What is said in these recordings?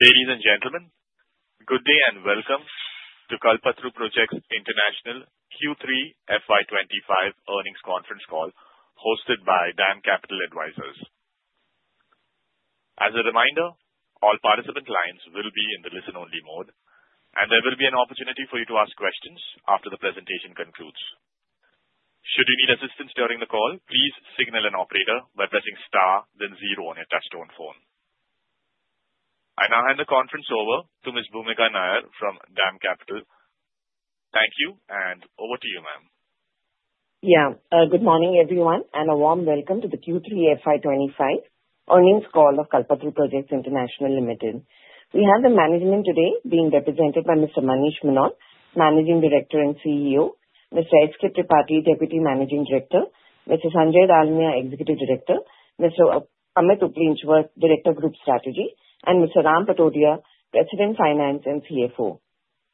Ladies and gentlemen, good day and welcome to Kalpataru Projects International Q3 FY25 earnings conference call hosted by DAM Capital Advisors. As a reminder, all participant lines will be in the listen-only mode, and there will be an opportunity for you to ask questions after the presentation concludes. Should you need assistance during the call, please signal an operator by pressing star, then zero on your touch-tone phone. I now hand the conference over to Ms. Bhoomika Nair from DAM Capital. Thank you, and over to you, ma'am. Yeah. Good morning, everyone, and a warm welcome to the Q3 FY25 earnings call of Kalpataru Projects International Limited. We have the management today being represented by Mr. Manish Mohnot, Managing Director and CEO. Mr. S. K. Tripathi, Deputy Managing Director. Mr. Sanjay Dalmia, Executive Director. Mr. Amit Uplenchwar, Director of Group Strategy. And Mr. Ram Patodia, President, Finance and CFO.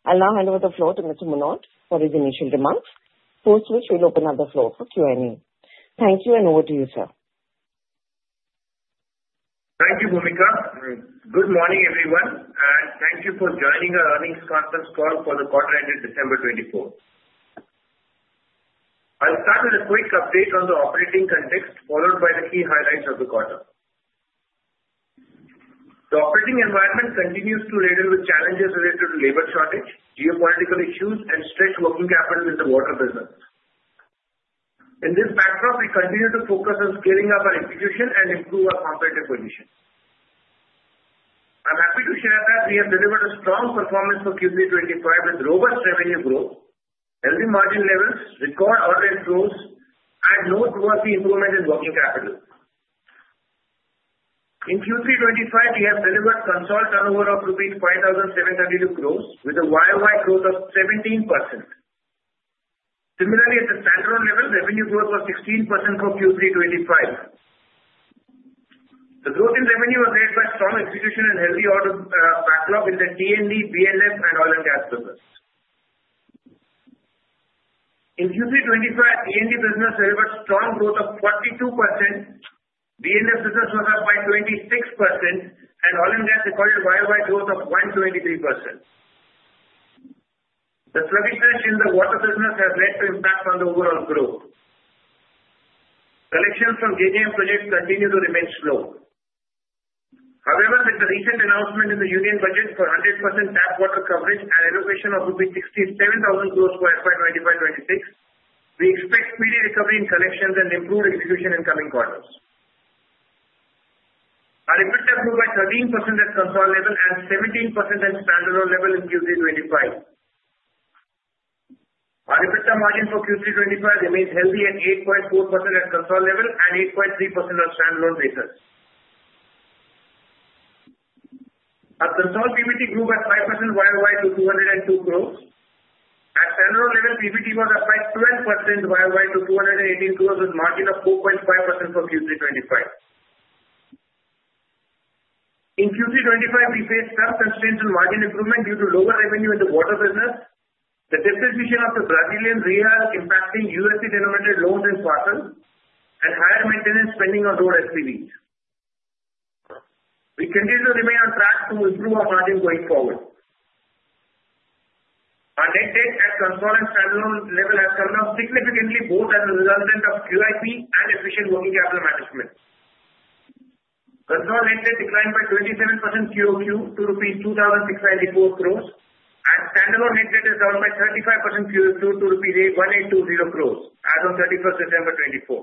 I'll now hand over the floor to Mr. Mohnot for his initial remarks, post which we'll open up the floor for Q&A. Thank you, and over to you, sir. Thank you, Bhoomika. Good morning, everyone, and thank you for joining our earnings conference call for the quarter-ending December 24. I'll start with a quick update on the operating context, followed by the key highlights of the quarter. The operating environment continues to be riddled with challenges related to labor shortage, geopolitical issues, and stretched working capital in the water business. In this backdrop, we continue to focus on scaling up our execution and improve our competitive position. I'm happy to share that we have delivered a strong performance for Q3 '25 with robust revenue growth, healthy margin levels, record all-time growth, and noteworthy improvement in working capital. In Q3 '25, we have delivered consolidated turnover of rupees 5,732 crore, with a YOY growth of 17%. Similarly, at the standalone level, revenue growth was 16% for Q3 '25. The growth in revenue was led by strong execution and healthy order backlog in the T&D, B&F, and oil and gas business. In Q3 2025, T&D business delivered strong growth of 42%, B&F business was up by 26%, and oil and gas recorded YOY growth of 123%. The sluggishness in the water business has led to impacts on the overall growth. Selection from JJM projects continues to remain slow. However, with the recent announcement in the union budget for 100% tap water coverage and allocation of rupees 67,000 crore for FY 2025-26, we expect speedy recovery in collections and improved execution in coming quarters. Our EBITDA grew by 13% at consolidated level and 17% at standalone level in Q3 2025. Our EBITDA margin for Q3 2025 remains healthy at 8.4% at consolidated level and 8.3% on standalone basis. Our consolidated PBT grew by 5% YOY to 202 crore. At standalone level, PBT was up by 12% YOY to 218 crore with a margin of 4.5% for Q3 '25. In Q3 '25, we faced some constraints in margin improvement due to lower revenue in the water business, the depreciation of the Brazilian Real impacting USD-denominated loans and parcels, and higher maintenance spending on road SPVs. We continue to remain on track to improve our margin going forward. Our net debt at consolidated and standalone level has turned down significantly, both as a result of QIP and efficient working capital management. Consolidated net debt declined by 27% QOQ to rupees 2,694 crore and standalone net debt is down by 35% QOQ to ₹1,820 crore as of 31st December 2024.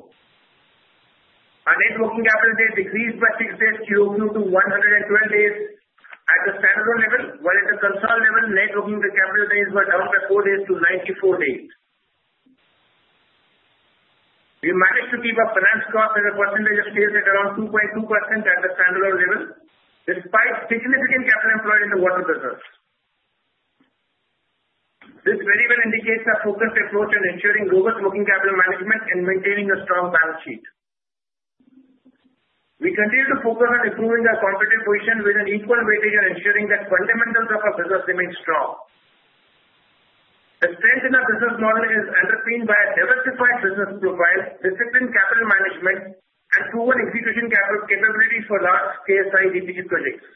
Our net working capital days decreased by six days QOQ to 112 days at the standalone level, while at the consolidated level, net working capital days were down by four days to 94 days. We managed to keep our finance costs at a percentage of sales at around 2.2% at the standalone level, despite significant capital employed in the water business. This very well indicates our focused approach on ensuring robust working capital management and maintaining a strong balance sheet. We continue to focus on improving our competitive position with an equal weightage on ensuring that fundamentals of our business remain strong. The strength in our business model is underpinned by a diversified business profile, disciplined capital management, and proven execution capabilities for large size EPC projects.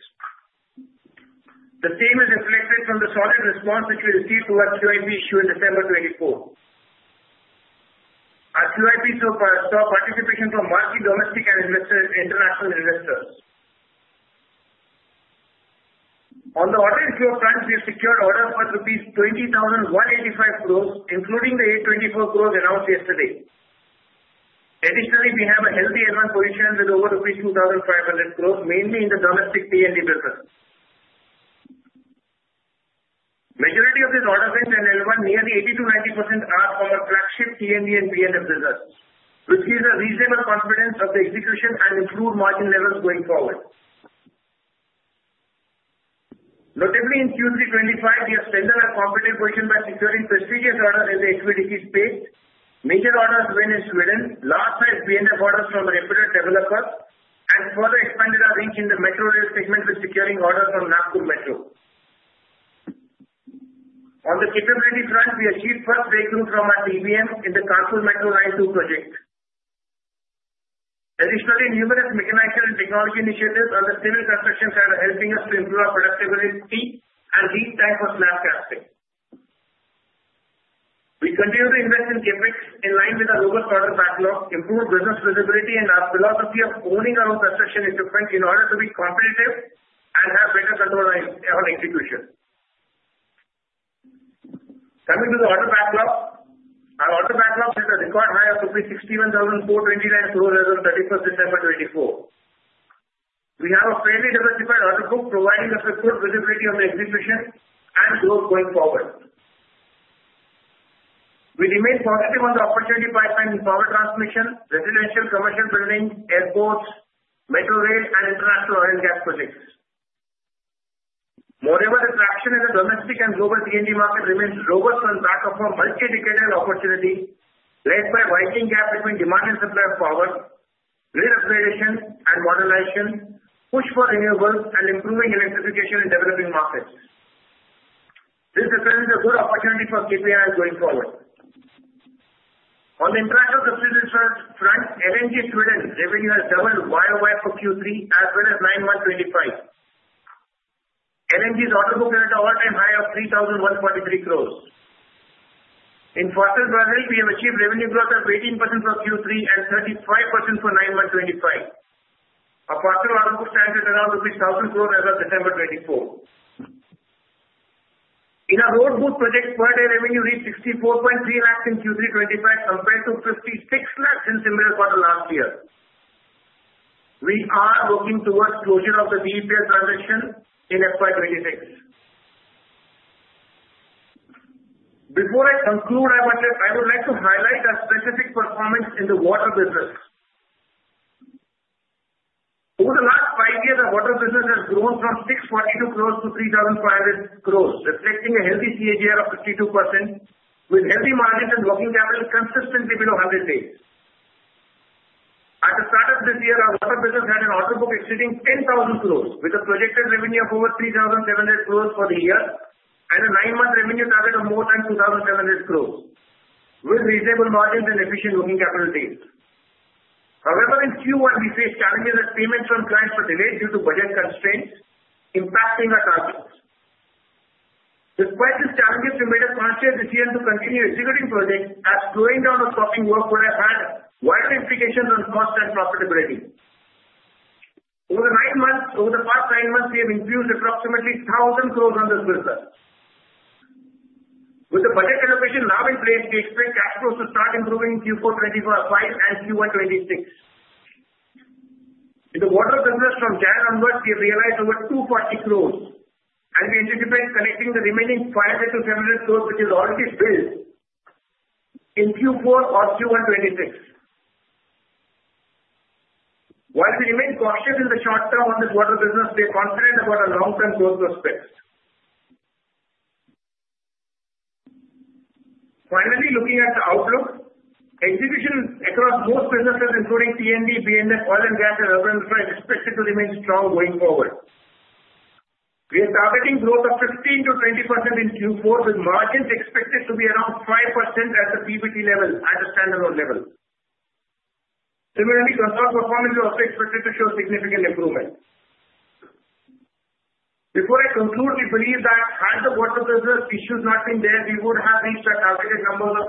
The same is reflected from the solid response which we received to our QIP issue in December 2024. Our QIP saw participation from multi-domestic and international investors. On the order and flow front, we have secured orders worth 20,185 crore rupees, including the 824 crore announced yesterday. Additionally, we have a healthy L1 position with over rupees 2,500 crore, mainly in the domestic T&D business. The majority of this order wins and L1, nearly 80%-90%, are from our flagship T&D and B&F business, which gives a reasonable confidence of the execution and improved margin levels going forward. Notably, in Q3 2025, we have strengthened our competitive position by securing prestigious orders in the HVDC space, major orders won in Sweden, large-sized B&F orders from a reputable developer, and further expanded our reach in the metro rail segment with securing orders from Nagpur Metro. On the capability front, we achieved first breakthrough from our TBM in the Kanpur Metro Line 2 project. Additionally, numerous mechanical and technology initiatives on the civil construction side are helping us to improve our productivity and lead time for slab casting. We continue to invest in CapEx in line with our robust order backlog, improve business visibility, and our philosophy of owning our own construction equipment in order to be competitive and have better control on execution. Coming to the order backlog, our order backlog has a record high of rupees 61,429 crore as of 31st December 2024. We have a fairly diversified order book, providing us with good visibility on the execution and growth going forward. We remain positive on the opportunity pipeline in power transmission, residential commercial buildings, airports, metro rail, and international oil and gas projects. Moreover, the traction in the domestic and global T&D market remains robust on the back of our multi-decade opportunity led by a widening gap between demand and supply of power, grid upgradation and modernization, push for renewables, and improving electrification in developing markets. This represents a good opportunity for KPIL going forward. On the international subsidiary front, LMG Sweden revenue has doubled YOY for Q3 as well as 9M FY25. LMG's order book is at an all-time high of 3,143 crore. In fossil fuels, we have achieved revenue growth of 18% for Q3 and 35% for 9M FY25. Our fossil order book stands at around INR 1,000 crore as of December 2024. In our road BOOT project, per day revenue reached 64.3 lakhs in Q3 2025, compared to 56 lakhs in similar quarter last year. We are working towards closure of the VEPL transaction in FY26. Before I conclude, I would like to highlight our specific performance in the water business. Over the last five years, our water business has grown from 642 crore to 3,500 crore, reflecting a healthy CAGR of 52%, with healthy margins and working capital consistently below 100 days. At the start of this year, our water business had an order book exceeding 10,000 crore, with a projected revenue of over 3,700 crore for the year and a nine-month revenue target of more than 2,700 crore, with reasonable margins and efficient working capital days. However, in Q1, we faced challenges as payments from clients were delayed due to budget constraints, impacting our targets. Despite these challenges, we made a conscious decision to continue executing projects as slowing down or stopping work would have had wider implications on cost and profitability. Over the past nine months, we have infused approximately 1,000 crore on this business. With the budget allocation now in place, we expect cash flows to start improving in Q4 2025 and Q1 2026. In the water business, from January onwards, we have realized over 240 crore, and we anticipate collecting the remaining 500-700 crore, which is already built, in Q4 or Q1 2026. While we remain cautious in the short term on this water business, we are confident about our long-term growth prospects. Finally, looking at the outlook, execution across most businesses, including T&D, B&F, oil and gas, and urban infrastructure, is expected to remain strong going forward. We are targeting growth of 15%-20% in Q4, with margins expected to be around 5% at the PBT level at the standalone level. Similarly, consolidated performance is also expected to show significant improvement. Before I conclude, we believe that had the water business issues not been there, we would have reached our targeted numbers of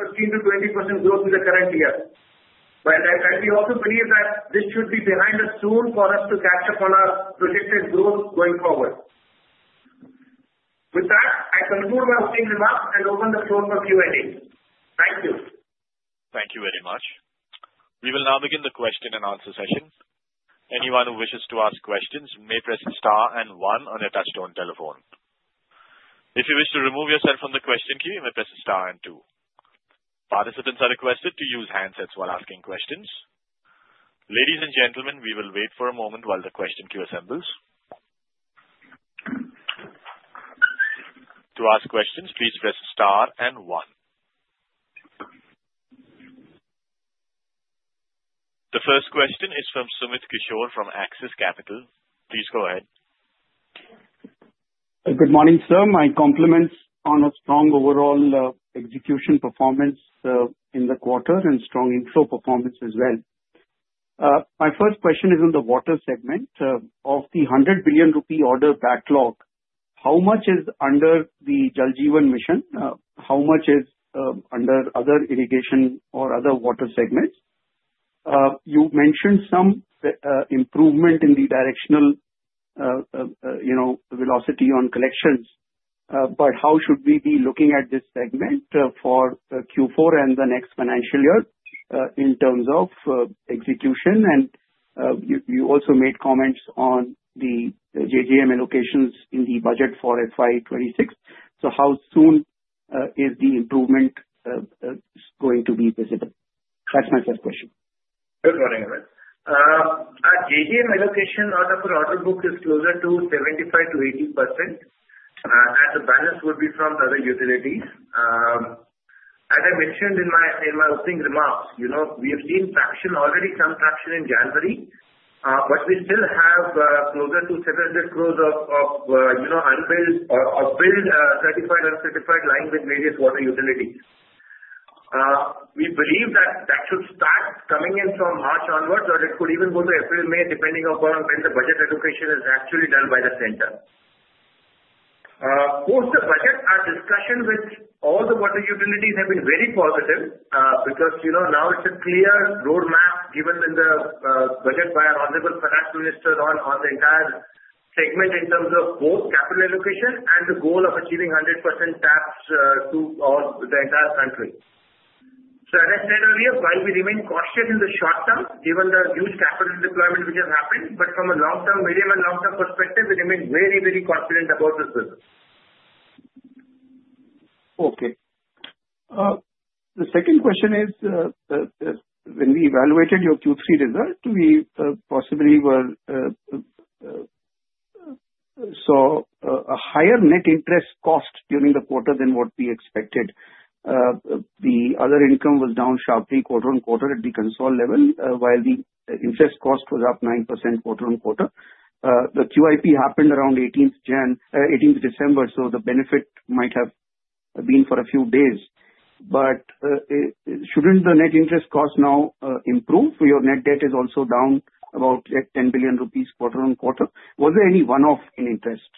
15%-20% growth in the current year. And we also believe that this should be behind us soon for us to catch up on our projected growth going forward. With that, I conclude my opening remarks and open the floor for Q&A. Thank you. Thank you very much. We will now begin the question and answer session. Anyone who wishes to ask questions may press star and one on a touch-tone telephone. If you wish to remove yourself from the question queue, you may press star and two. Participants are requested to use handsets while asking questions. Ladies and gentlemen, we will wait for a moment while the question queue assembles. To ask questions, please press star and one. The first question is from Sumit Kishore from Axis Capital. Please go ahead. Good morning, sir. My compliments on a strong overall execution performance in the quarter and strong inflow performance as well. My first question is on the water segment. Of the 100 billion Rupees order backlog, how much is under the Jal Jeevan Mission? How much is under other irrigation or other water segments? You mentioned some improvement in the directional velocity on collections, but how should we be looking at this segment for Q4 and the next financial year in terms of execution? And you also made comments on the JJM allocations in the budget for FY 2026. So how soon is the improvement going to be visible? That's my first question. Good morning, Sumit. Our JJM allocation out of our order book is closer to 75%-80%, and the balance would be from other utilities. As I mentioned in my opening remarks, we have seen traction, already some traction in January, but we still have closer to 700 crore of unbilled or billed, certified, uncertified, lying with various water utilities. We believe that that should start coming in from March onwards, or it could even go to April, May, depending upon when the budget allocation is actually done by the center. Post the budget, our discussion with all the water utilities has been very positive because now it's a clear roadmap given in the budget by our Honorable Finance Minister on the entire segment in terms of both capital allocation and the goal of achieving 100% taps to the entire country. So as I said earlier, while we remain cautious in the short term, given the huge capital deployment which has happened, but from a long-term medium and long-term perspective, we remain very, very confident about this business. Okay. The second question is, when we evaluated your Q3 result, we possibly saw a higher net interest cost during the quarter than what we expected. The other income was down sharply quarter on quarter at the consolidated level, while the interest cost was up 9% quarter on quarter. The QIP happened around 18th December, so the benefit might have been for a few days. But shouldn't the net interest cost now improve? Your net debt is also down about ₹ 10 billion quarter on quarter. Was there any one-off in interest?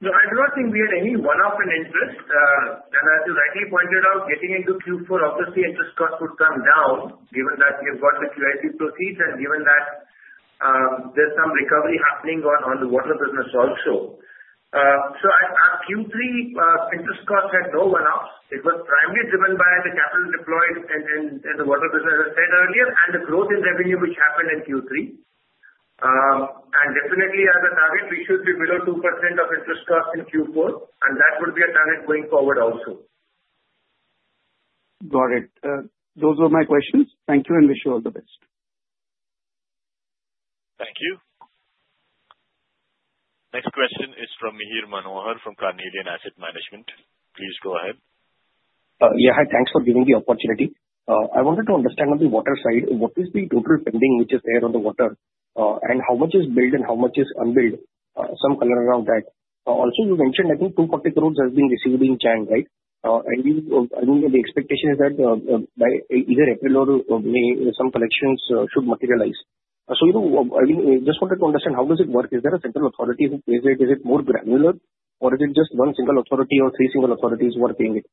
No, I do not think we had any one-off in interest. As you rightly pointed out, getting into Q4, obviously, interest costs would come down given that you've got the QIP proceeds and given that there's some recovery happening on the water business also. So our Q3 interest costs had no one-offs. It was primarily driven by the capital deployed in the water business, as I said earlier, and the growth in revenue which happened in Q3. And definitely, as a target, we should be below 2% of interest costs in Q4, and that would be a target going forward also. Got it. Those were my questions. Thank you, and wish you all the best. Thank you. Next question is from Mihir Manohar from Carnelian Asset Management. Please go ahead. Yeah, hi. Thanks for giving the opportunity. I wanted to understand on the water side, what is the total spending which is there on the water, and how much is billed and how much is unbilled? Some color around that. Also, you mentioned, I think, 240 crore has been received in Jan, right? And I mean, the expectation is that by either April or May, some collections should materialize. So I mean, I just wanted to understand, how does it work? Is there a central authority who pays it? Is it more granular, or is it just one single authority or three single authorities who are paying it?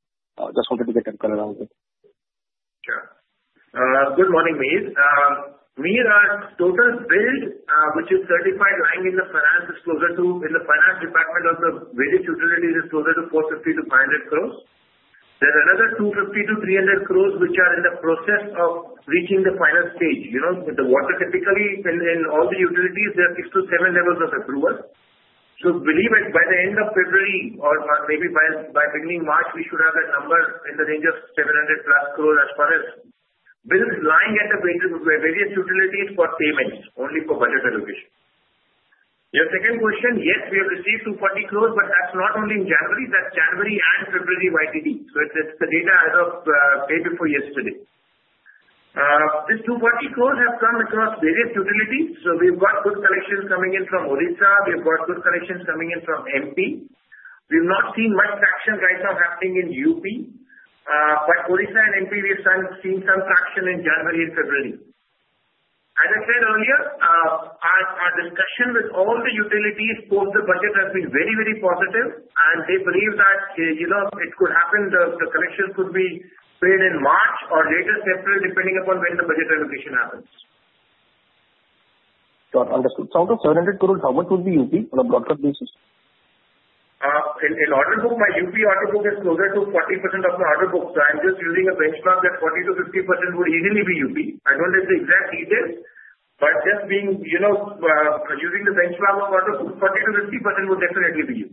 Just wanted to get your color around that. Sure. Good morning, Mihir. Mihir, our total billed, which is certified, lying in the finance, is closer to in the finance department of the various utilities, is closer to 450-500 crore. There are another 250-300 crore which are in the process of reaching the final stage. With the water, typically, in all the utilities, there are six to seven levels of approval. So believe it, by the end of February or maybe by beginning March, we should have that number in the range of 700 plus crore as far as billed lying at the various utilities for payments, only for budget allocation. Your second question, yes, we have received 240 crore, but that's not only in January. That's January and February YTD. So it's the data as of day before yesterday. These 240 crore have come across various utilities. We've got good collections coming in from Odisha. We've got good collections coming in from MP. We've not seen much traction right now happening in UP, but Odisha and MP, we've seen some traction in January and February. As I said earlier, our discussion with all the utilities, post the budget, has been very, very positive, and they believe that it could happen the collections could be paid in March or later in February, depending upon when the budget allocation happens. Got it. Understood. So out of 700 crore, how much would be UP on a pro rata basis? In order book, my UP order book is closer to 40% of my order book. So I'm just using a benchmark that 40%-50% would easily be UP. I don't have the exact details, but just using the benchmark of order book, 40%-50% would definitely be UP.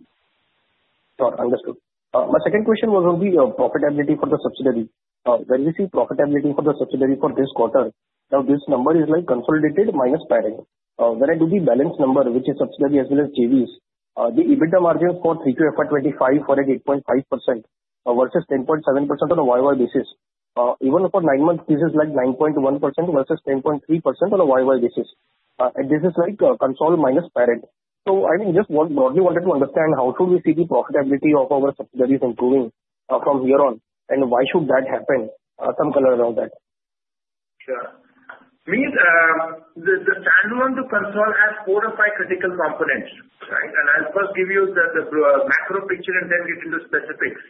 Got it. Understood. My second question was on the profitability for the subsidiary. When we see profitability for the subsidiary for this quarter, now this number is like consolidated minus parent. When I do the balance number, which is subsidiary as well as JVs, the EBITDA margins for 3Q FY25 were at 8.5% versus 10.7% on a YY basis. Even for nine-month, this is like 9.1% versus 10.3% on a YY basis. And this is like consolidated minus parent. So I mean, just broadly wanted to understand how should we see the profitability of our subsidiaries improving from here on, and why should that happen? Some color around that. Sure. Mihir, the standalone to consolidated has four or five critical components, right? And I'll first give you the macro picture and then get into specifics.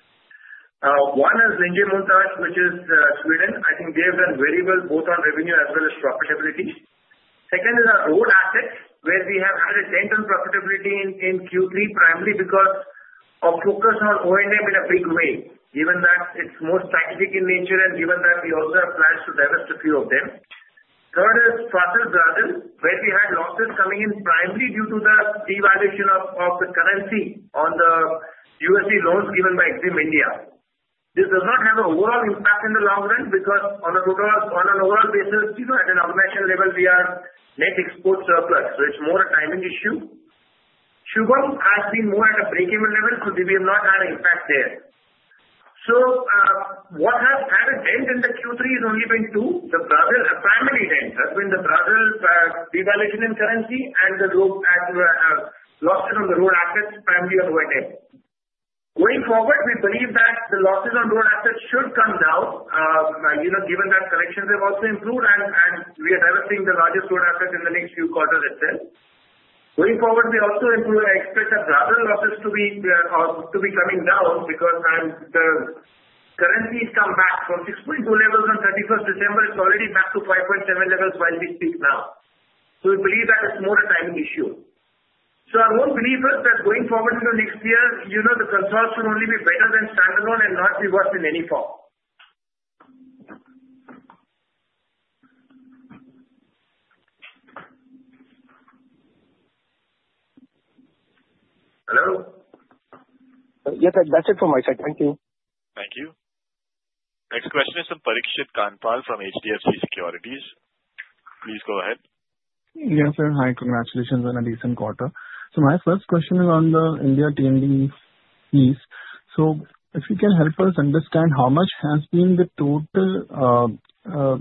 One is Linjemontage, which is Sweden. I think they have done very well both on revenue as well as profitability. Second is our road assets, where we have had a dent on profitability in Q3, primarily because of focus on O&M in a big way, given that it's more strategic in nature and given that we also have plans to divest a few of them. Third is Fasttel Brazil, where we had losses coming in primarily due to the devaluation of the currency on the USD loans given by Exim India. This does not have an overall impact in the long run because on an overall basis, at an organizational level, we are net export surplus, so it's more a timing issue. Shubham has been more at a break-even level, so we have not had an impact there. So what has had a dent in the Q3 is only been two. The primary dent has been the broader devaluation in currency and the losses on the road assets, primarily on O&M. Going forward, we believe that the losses on road assets should come down given that collections have also improved, and we are divesting the largest road asset in the next few quarters itself. Going forward, we also expect that broader losses to be coming down because current fees come back from 6.2 levels on 31st December. It's already back to 5.7 levels while we speak now. So we believe that it's more a timing issue. So our whole belief is that going forward into next year, the consolidated should only be better than standalone and not be worse in any form. Hello? Yes, that's it from my side. Thank you. Thank you. Next question is from Parikshit Kandpal from HDFC Securities. Please go ahead. Yes, sir. Hi. Congratulations on a decent quarter. So my first question is on the India T&D leads. So if you can help us understand how much has been the total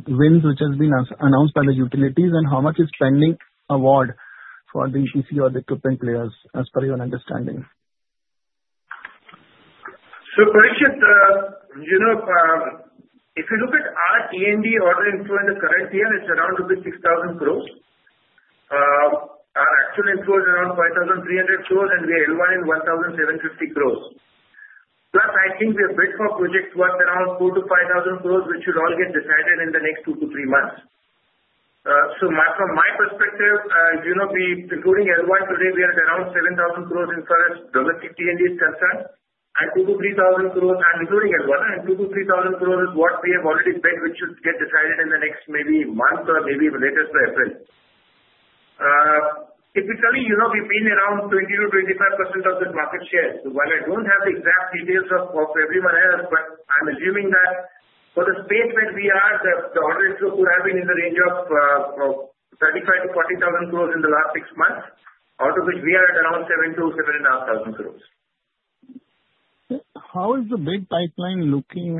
wins which has been announced by the utilities and how much is pending award for the EPC or the equipment players as per your understanding. Parikshit, if you look at our T&D order inflow in the current year, it's around rupees 6,000 crore. Our actual inflow is around 5,300 crore, and we have L1 in 1,750 crore. Plus, I think we have bid for project worth around 4,000-5,000 crore, which should all get decided in the next two-three months. From my perspective, including L1 today, we are at around 7,000 crore as far as domestic T&D is concerned, and 2,000-3,000 crore. I'm including L1, and 2,000-3,000 crore is what we have already bid, which should get decided in the next maybe month or maybe later April. Typically, we've been around 20%-25% of the market share. While I don't have the exact details of everyone else, but I'm assuming that for the space where we are, the order inflow could have been in the range of 35,000-40,000 crore in the last six months, out of which we are at around 7,000-7,500 crore. How is the bid pipeline looking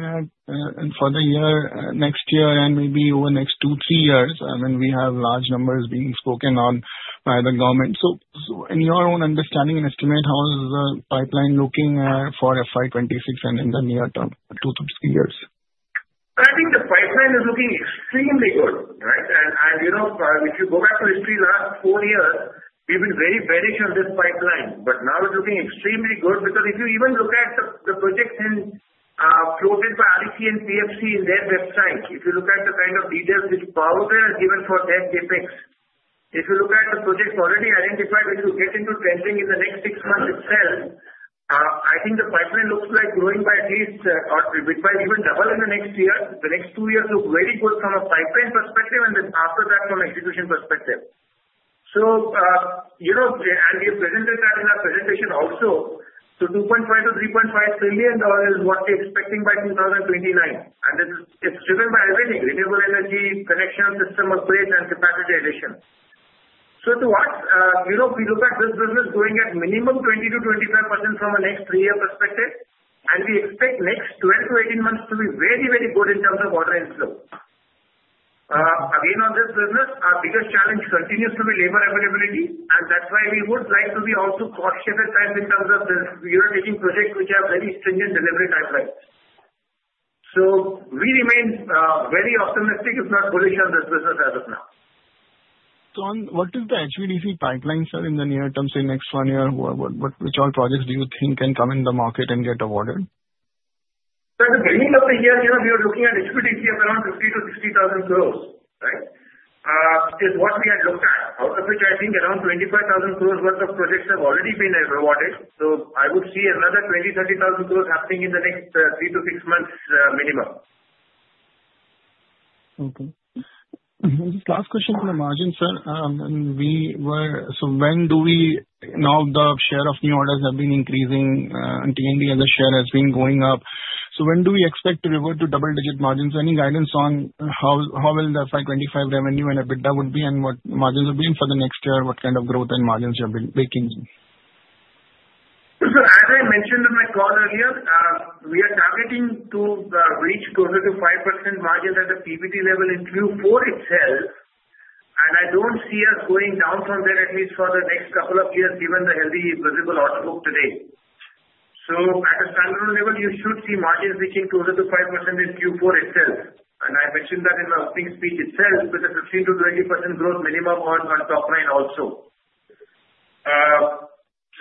for the year, next year, and maybe over the next two, three years when we have large numbers being spoken on by the government? So in your own understanding and estimate, how is the pipeline looking for FY 26 and in the near term, two to three years? I think the pipeline is looking extremely good, right? And if you go back to the history, the last four years, we've been very bearish on this pipeline, but now it's looking extremely good because if you even look at the projects floated by REC and PFC in their websites, if you look at the kind of details which Power Grid has given for their CapEx, if you look at the projects already identified, when you get into tendering in the next six months itself, I think the pipeline looks like growing by at least or even double in the next year. The next two years look very good from a pipeline perspective and then after that from execution perspective. So we have presented that in our presentation also. So $2.5-$3.5 trillion is what we're expecting by 2029. It's driven by everything: renewable energy, connection system upgrades, and capacity addition. To us, we look at this business going at minimum 20%-25% from a next three-year perspective, and we expect the next 12-18 months to be very, very good in terms of order inflow. Again, on this business, our biggest challenge continues to be labor availability, and that's why we would like to be also cautious at times in terms of the European projects, which have very stringent delivery timelines. We remain very optimistic, if not bullish, on this business as of now. So what is the HVDC pipeline, sir, in the near term? Say next one year, which all projects do you think can come in the market and get awarded? At the beginning of the year, we were looking at HVDC of around 50,000-60,000 crore, right? Is what we had looked at, out of which I think around 25,000 worth of projects have already been awarded. So I would see another 20,000-30,000 crore happening in the next three to six months minimum. Okay. Just last question on the margins, sir. So when do we know the share of new orders have been increasing, and T&D as a share has been going up. So when do we expect to revert to double-digit margins? Any guidance on how the FY25 revenue and EBITDA would be and what margins would be for the next year? What kind of growth and margins you have been making? So as I mentioned in my call earlier, we are targeting to reach closer to 5% margins at the PBT level in Q4 itself, and I don't see us going down from there, at least for the next couple of years, given the heavy visible order book today. So at a standalone level, you should see margins reaching closer to 5% in Q4 itself. And I mentioned that in my opening speech itself, with a 15%-20% growth minimum on top line also.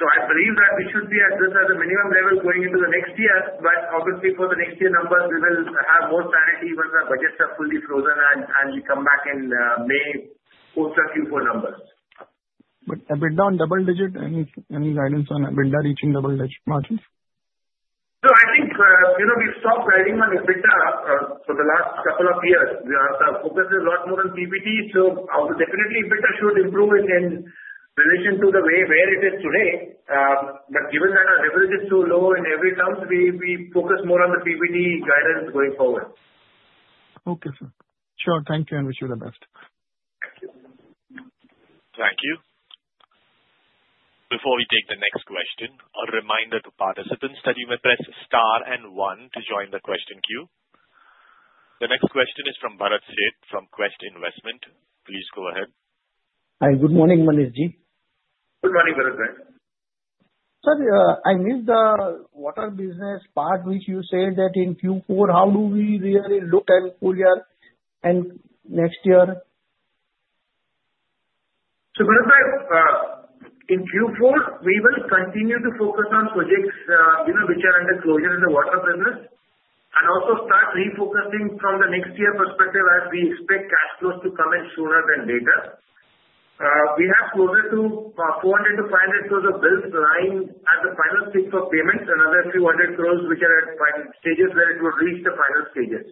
So I believe that we should be at this as a minimum level going into the next year, but obviously, for the next year numbers, we will have more clarity once our budgets are fully frozen, and we come back in May post our Q4 numbers. EBITDA on double-digit? Any guidance on EBITDA reaching double-digit margins? So I think we've stopped riding on EBITDA for the last couple of years. We are focusing a lot more on PBT, so definitely EBITDA should improve in relation to where it is today. But given that our leverage is so low in every terms, we focus more on the PBT guidance going forward. Okay, sir. Sure. Thank you, and wish you the best. Thank you. Thank you. Before we take the next question, a reminder to participants that you may press star and one to join the question queue. The next question is from Bharat Sheth from Quest Investment. Please go ahead. Hi. Good morning, Manishji. Good morning, Bharat Sheth. Sir, I missed the water business part, which you said that in Q4, how do we really look at full year and next year? So Bharat, in Q4, we will continue to focus on projects which are under closure in the water business and also start refocusing from the next year perspective as we expect cash flows to come in sooner than later. We have closer to 400-500 crore of bills lying at the final stage for payments, another 200 crore which are at stages where it will reach the final stages.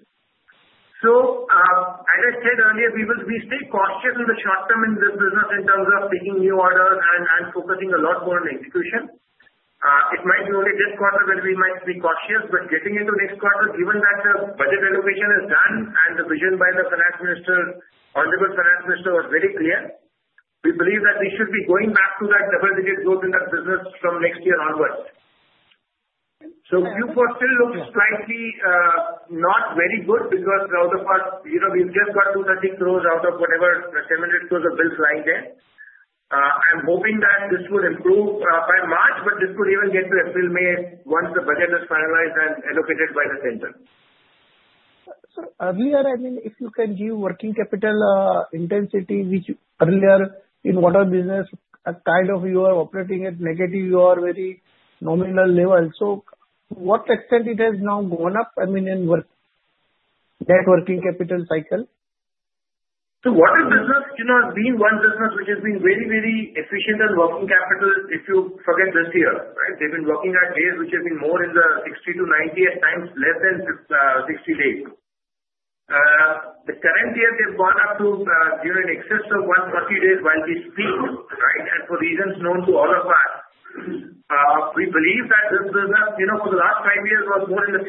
So as I said earlier, we will be still cautious in the short term in this business in terms of taking new orders and focusing a lot more on execution. It might be only this quarter that we might be cautious, but getting into next quarter, given that the budget allocation is done and the vision by the finance minister, Honorable Finance Minister, was very clear, we believe that we should be going back to that double-digit growth in that business from next year onwards. So Q4 still looks slightly not very good because out of, we've just got 230 crore out of whatever 700 crore of bills lying there. I'm hoping that this will improve by March, but this could even get to April, May once the budget is finalized and allocated by the center. So earlier, I mean, if you can give working capital intensity, which earlier in water business, kind of you are operating at negative, you are very nominal level. So to what extent it has now gone up, I mean, in net working capital cycle? So water business has been one business which has been very, very efficient on working capital if you forget this year, right? They've been working at days which have been more in the 60-90 at times, less than 60 days. The current year, they've gone up to in excess of 140 days while we speak, right? And for reasons known to all of us, we believe that this business for the last five years was more in the 60-90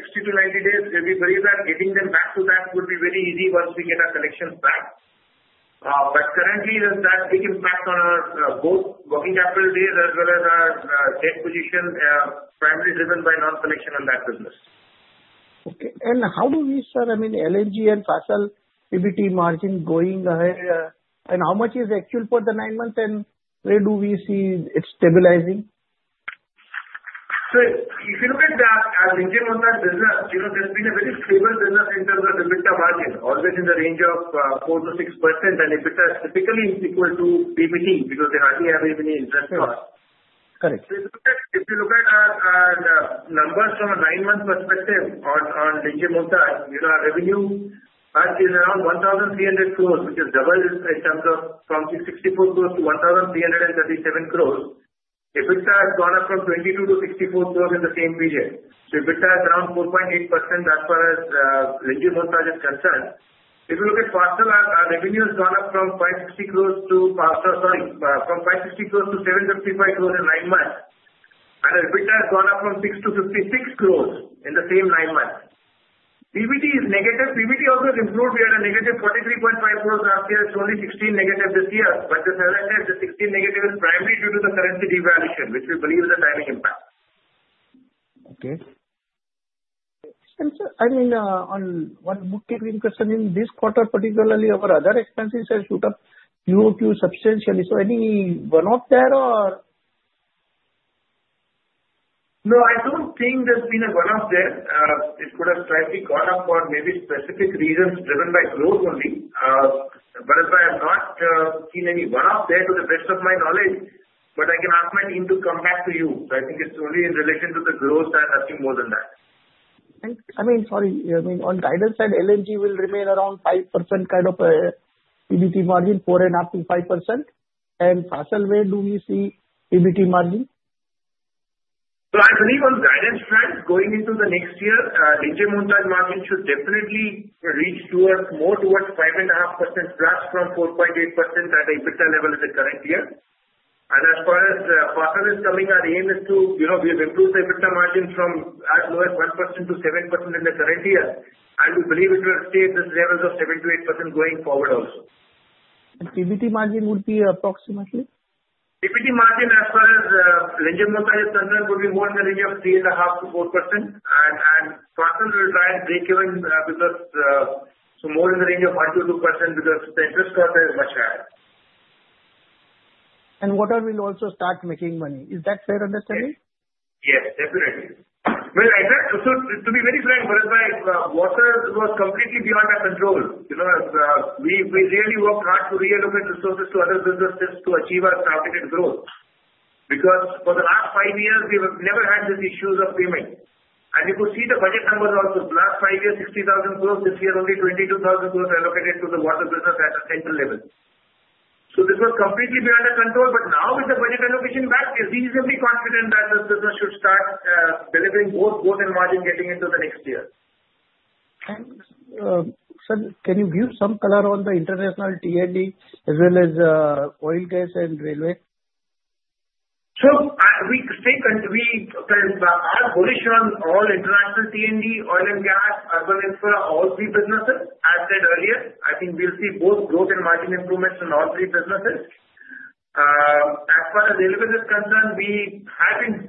days, and we believe that getting them back to that would be very easy once we get our collections back. But currently, there's that big impact on our both working capital days as well as our debt position, primarily driven by non-collection on that business. Okay. And how do we, sir, I mean, O&G and B&F PBT margin going ahead? And how much is actual for the nine months, and where do we see it stabilizing? So if you look at our Linjemontage business, there's been a very stable business in terms of EBITDA margin, always in the range of 4%-6%, and EBITDA is typically equal to PBT because they hardly have any interest cost. Correct. If you look at our numbers from a nine-month perspective on Linjemontage, our revenue is around 1,300 crore, which is double in terms of from 64 crore to 1,337 crore. EBITDA has gone up from 22 to 64 crore in the same period. So EBITDA is around 4.8% as far as Linjemontage is concerned. If you look at Fasttel, our revenue has gone up from 560 crore to sorry, from 560 crore to 755 crore in nine months, and our EBITDA has gone up from 656 crore in the same nine months. PBT is negative. PBT also has improved. We had a negative 43.5 crore last year. It's only 16 negative this year, but the reason is the 16 negative is primarily due to the currency devaluation, which we believe is a timing impact. Okay. And sir, I mean, one more quick question. In this quarter, particularly, our other expenses have shot up, Q2 substantially. So any one-off there or? No, I don't think there's been a one-off there. It could have slightly gone up for maybe specific reasons driven by growth only. Bharat, I've not seen any one-off there to the best of my knowledge, but I can ask my team to come back to you. So I think it's only in relation to the growth and nothing more than that. I mean, on guidance side, LMG will remain around 5% kind of PBT margin, 4.5%-5%. Fossil, where do we see PBT margin? I believe on guidance trends going into the next year, Linjemontage margin should definitely reach more towards 5.5% plus from 4.8% at the EBITDA level in the current year. As far as O&G is concerned, our aim is to improve the EBITDA margin from as low as 1% to 7% in the current year, and we believe it will stay at this level of 7% to 8% going forward also. PBT margin would be approximately? PBT margin as far as LMG and Linjemontage is concerned would be more in the range of 3.5%-4%, and Fossil will try and break even because more in the range of 1%-2% because the interest cost is much higher. Water will also start making money. Is that fair understanding? Yes, definitely. To be very frank, Bharat, water was completely beyond our control. We really worked hard to reallocate resources to other businesses to achieve our targeted growth because for the last five years, we have never had these issues of payment. You could see the budget numbers also. The last five years, 60,000 crore, this year, only 22,000 crore allocated to the water business at the central level. This was completely beyond our control, but now with the budget allocation back, we're reasonably confident that this business should start delivering both growth and margin getting into the next year. Sir, can you give some color on the international T&D as well as oil, gas, and railway? So we stay bullish on all international T&D, oil and gas, urban infra, all three businesses. As said earlier, I think we'll see both growth and margin improvements in all three businesses. As far as railways is concerned, we've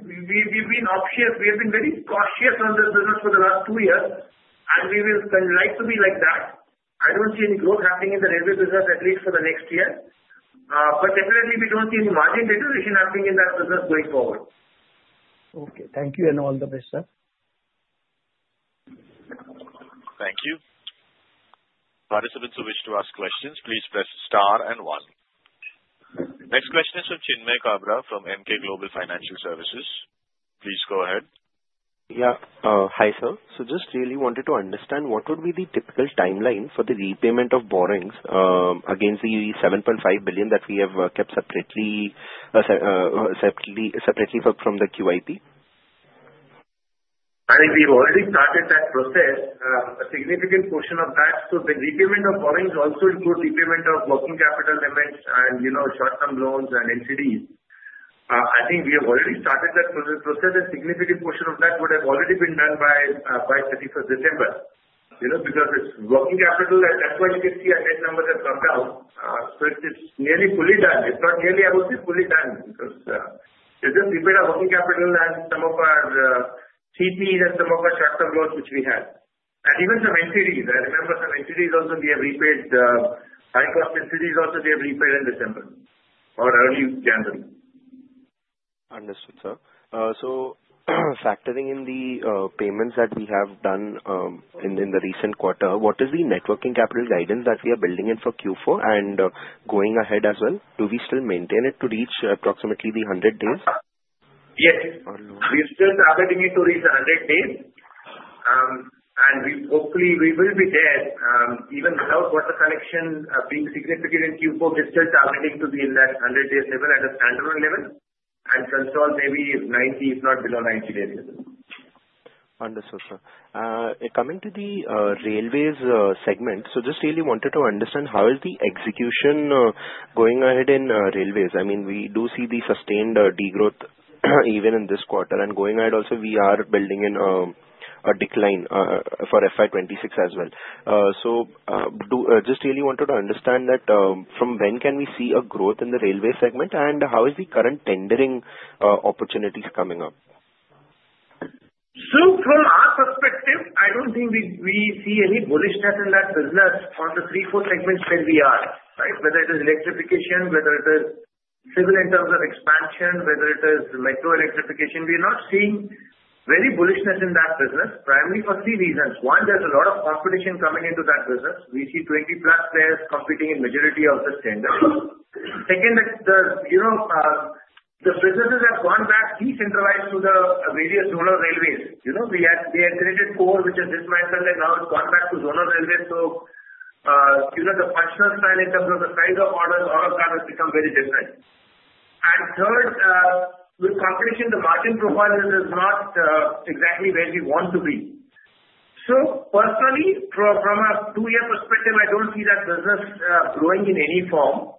been very cautious on this business for the last two years, and we would like to be like that. I don't see any growth happening in the railway business, at least for the next year. But definitely, we don't see any margin deterioration happening in that business going forward. Okay. Thank you, and all the best, sir. Thank you. Participants who wish to ask questions, please press star and one. Next question is from Chinmay Kabra from Emkay Global Financial Services. Please go ahead. Yeah. Hi, sir. So just really wanted to understand what would be the typical timeline for the repayment of borrowings against the 7.5 billion that we have kept separately from the QIP? I think we've already started that process. A significant portion of that, so the repayment of borrowings also includes repayment of working capital payments and short-term loans and NCDs. I think we have already started that process, and a significant portion of that would have already been done by 31st December because it's working capital, and that's why you can see our net numbers have gone down. So it's nearly fully done. It's not nearly, I would say fully done because it's just repaid our working capital and some of our CPs and some of our short-term loans which we had. And even some NCDs, I remember some NCDs also we have repaid. High-cost NCDs also we have repaid in December or early January. Understood, sir. So factoring in the payments that we have done in the recent quarter, what is the net working capital guidance that we are building in for Q4 and going ahead as well? Do we still maintain it to reach approximately the 100 days? Yes. We're still targeting it to reach 100 days, and hopefully, we will be there. Even without water collection being significant in Q4, we're still targeting to be in that 100-day level at a standalone level and consolidate maybe 90, if not below 90-day level. Understood, sir. Coming to the railways segment, so just really wanted to understand how is the execution going ahead in railways? I mean, we do see the sustained degrowth even in this quarter, and going ahead also, we are building in a decline for FY26 as well. So just really wanted to understand that from when can we see a growth in the railway segment, and how is the current tendering opportunities coming up? So from our perspective, I don't think we see any bullishness in that business for the three-fourths segments where we are, right? Whether it is electrification, whether it is civil in terms of expansion, whether it is metro electrification, we are not seeing very bullishness in that business, primarily for three reasons. One, there's a lot of competition coming into that business. We see 20-plus players competing in the majority of the tenders. Second, the businesses have gone back decentralized to the various zonal railways. We had created CORE which is dismantled, and now it's gone back to zonal railways. So the functional style in terms of the size of orders, all of that has become very different. And third, with competition, the margin profile is not exactly where we want to be. So personally, from a two-year perspective, I don't see that business growing in any form.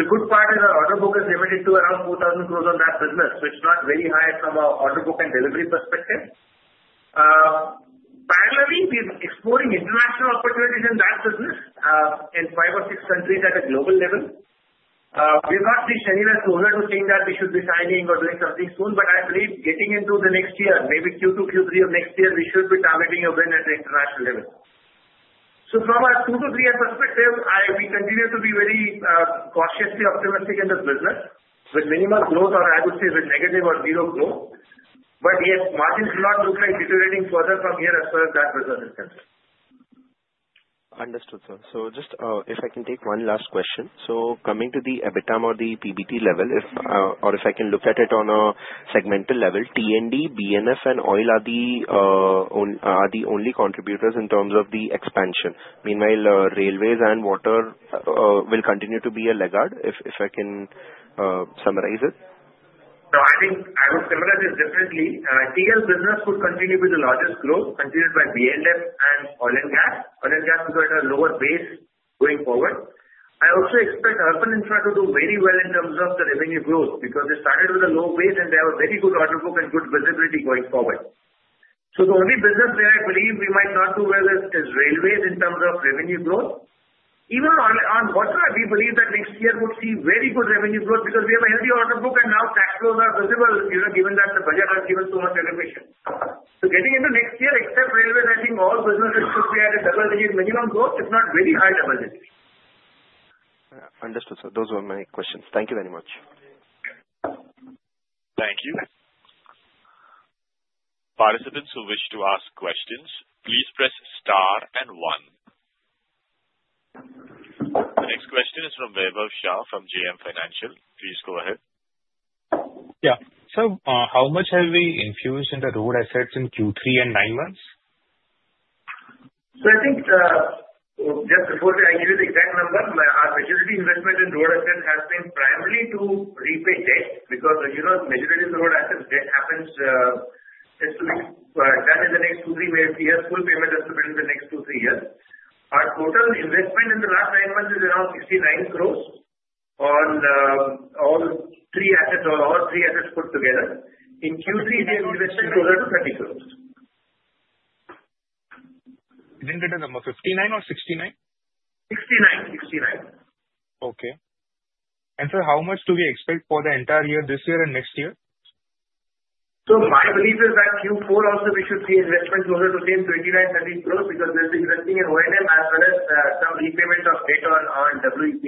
The good part is our order book is limited to around 4,000 crore on that business, so it's not very high from our order book and delivery perspective. Parallelly, we're exploring international opportunities in that business in five or six countries at a global level. We've got the synergy closer to saying that we should be signing or doing something soon, but I believe getting into the next year, maybe Q2, Q3 of next year, we should be targeting a win at the international level. So from a two-to-three-year perspective, we continue to be very cautiously optimistic in this business with minimal growth, or I would say with negative or zero growth. But yet, margins do not look like deteriorating further from here as far as that business is concerned. Understood, sir. So just if I can take one last question. So coming to the EBITDA or the PBT level, or if I can look at it on a segmental level, T&D, B&F, and oil are the only contributors in terms of the expansion. Meanwhile, railways and water will continue to be a laggard, if I can summarize it. So I think I will summarize it differently. T&D business would continue with the largest growth, followed by B&F and oil and gas. Oil and gas is going to have a lower base going forward. I also expect urban infra to do very well in terms of the revenue growth because they started with a low base, and they have a very good order book and good visibility going forward. So the only business where I believe we might not do well is railways in terms of revenue growth. Even on water, we believe that next year would see very good revenue growth because we have a healthy order book, and now cash flows are visible, given that the budget has given so much allocation. So getting into next year, except railways, I think all businesses should be at a double-digit minimum growth, if not very high double-digit. Understood, sir. Those were my questions. Thank you very much. Thank you. Participants who wish to ask questions, please press star and one. The next question is from Vaibhav Shah from JM Financial. Please go ahead. Yeah. Sir, how much have we infused into road assets in Q3 and nine months? So I think just before I give you the exact number, our majority investment in road assets has been primarily to repay debt because majority of the road assets' debt happens done in the next two, three years. Full payment has to be done in the next two, three years. Our total investment in the last nine months is around 69 crore on all three assets or all three assets put together. In Q3, we have invested closer to 30 crore. Didn't get it. 59 or 69? 69. 69. Okay. And sir, how much do we expect for the entire year, this year and next year? So my belief is that Q4 also, we should see investment closer to the same 29-30 crore because there's investing in O&M as well as some repayment of debt on VEPL.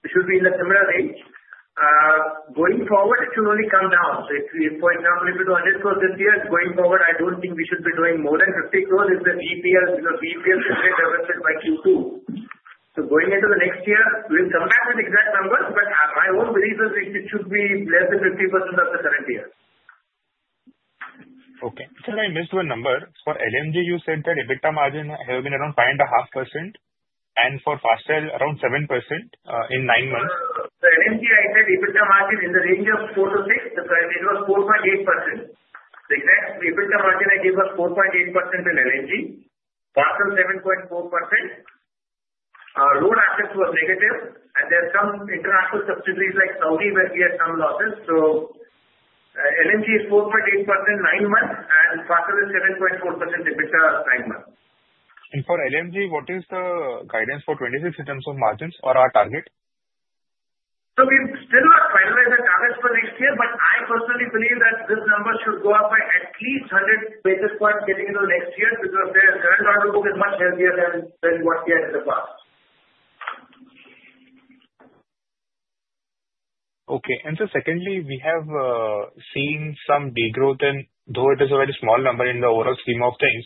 It should be in the similar range. Going forward, it should only come down. So for example, if we do 100 crore this year, going forward, I don't think we should be doing more than 50 crore if the VEPL is generated by Q2. So going into the next year, we'll come back with exact numbers, but my own belief is it should be less than 50% of the current year. Okay. Sirs, I missed one number. For L&G, you said that EBITDA margin has been around 5.5%, and for Fossil, around 7% in nine months. For L&G, I said EBITDA margin in the range of 4%-6%, it was 4.8%. The exact EBITDA margin I gave was 4.8% in L&G. Fossil, 7.4%. Road assets were negative, and there are some international subsidiaries like Saudi where we had some losses. So L&G is 4.8% nine months, and Fossil is 7.4% EBITDA nine months. For L&G, what is the guidance for 26 in terms of margins or our target? We still have to finalize the targets for next year, but I personally believe that this number should go up by at least 100 basis points getting into the next year because their current order book is much healthier than what we had in the past. Okay, and sir, secondly, we have seen some degrowth, and though it is a very small number in the overall scheme of things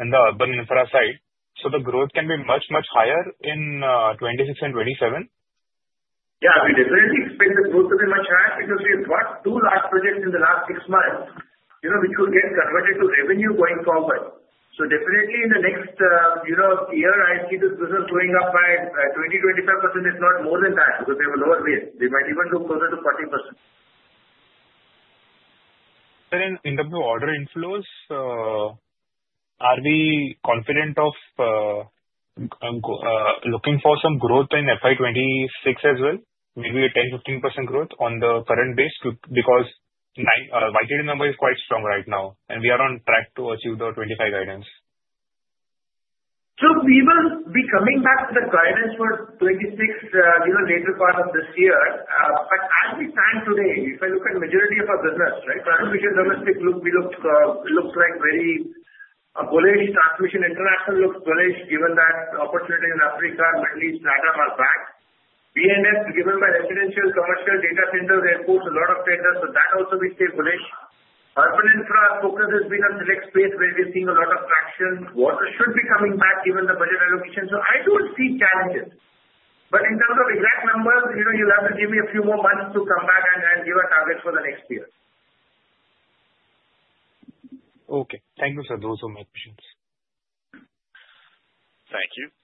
in the urban infra side, so the growth can be much, much higher in 2026 and 2027? Yeah. We definitely expect the growth to be much higher because we've got two large projects in the last six months which will get converted to revenue going forward. So definitely, in the next year, I see this business going up by 20%-25%, if not more than that because they have a lower base. They might even go closer to 40%. Sirs, in terms of order inflows, are we confident of looking for some growth in FY26 as well? Maybe a 10%-15% growth on the current base because YTD number is quite strong right now, and we are on track to achieve the 25 guidance. So we will be coming back to the guidance for 26 later part of this year. But as we stand today, if I look at the majority of our business, transmission domestic look, we look like very bullish. Transmission international looks bullish given that opportunity in Africa, Middle East, and I don't know what's back. B&F, given by residential, commercial, data centers, airports, a lot of vendors, so that also we stay bullish. Urban infra focus has been on select space where we're seeing a lot of traction. Water should be coming back given the budget allocation. So I don't see challenges. But in terms of exact numbers, you'll have to give me a few more months to come back and give a target for the next year. Okay. Thank you, sir. Those were my questions. Thank you.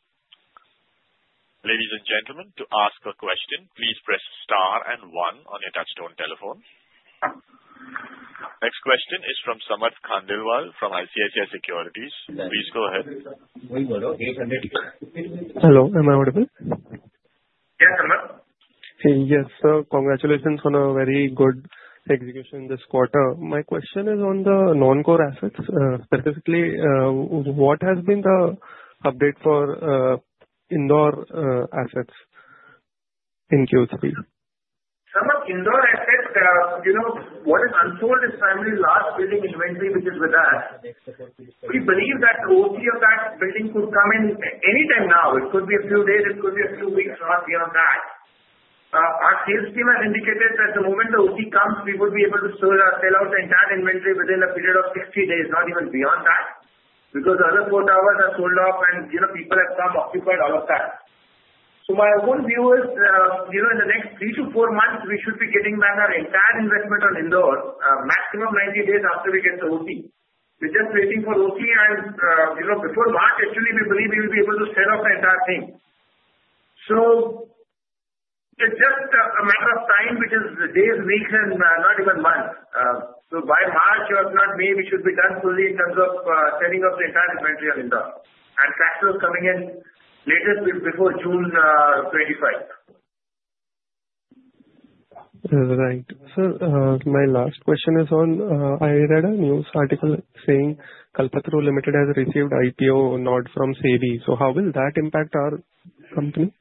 Ladies and gentlemen, to ask a question, please press star and one on your touchtone telephone. Next question is from Samarth Khandelwal from ICICI Securities. Please go ahead. Hello. Am I audible? Yes, Samarth. Yes, sir. Congratulations on a very good execution this quarter. My question is on the non-core assets. Specifically, what has been the update for Indore assets in Q3?CSome of Indore assets, what is unsold is primarily last building inventory which is with us. We believe that the OC of that building could come in any time now. It could be a few days. It could be a few weeks, not beyond that. Our sales team has indicated that the moment the OC comes, we would be able to sell out the entire inventory within a period of 60 days, not even beyond that, because the other four towers are sold off and people have come occupied all of that. So my own view is in the next three to four months, we should be getting back our entire investment on Indore, maximum 90 days after we get the OC. We're just waiting for OC and before March, actually, we believe we will be able to sell off the entire thing. So it's just a matter of time, which is days, weeks, and not even months. So by March, if not May, we should be done fully in terms of selling off the entire inventory in Indore. And cash flows coming in later before June 25th. Right. Sir, my last question is on, I read a news article saying Kalpataru Limited has received IPO nod from SEBI. So how will that impact our company?